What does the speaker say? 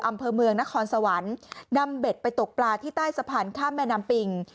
อำเภอเมืองนครสวรรค์นำเบ็ดไปตกปลาที่ใต้สะพานข้ามแม่น้ำปิง